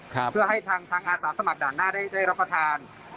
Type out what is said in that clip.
เพื่อให้ทางทางอาสาสมัครด่านหน้าได้ได้รับประทาน